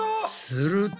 すると。